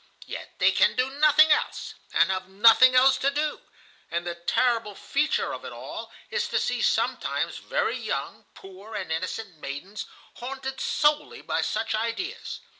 Yet they can do nothing else, and have nothing else to do; and the terrible feature of it all is to see sometimes very young, poor, and innocent maidens haunted solely by such ideas.